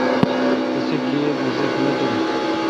تسی گیب اعزت نہ دارل۔